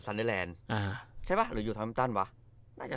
ซันเดอร์แลนด์อ่าใช่ปะหรืออยู่ฮัมตันว่ะน่าจะ